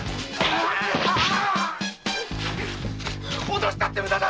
脅したって無駄だ。